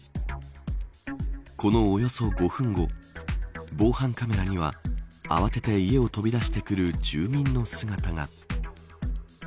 このおよそ５分後防犯カメラには慌てて家を飛び出してくる住民の姿が。